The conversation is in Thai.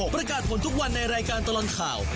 ประกาศผลทุกวันในรายการตลอดข่าว